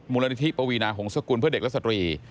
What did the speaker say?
มูลนิธิปวีนาหงษกุลเพื่อเด็กและสตรี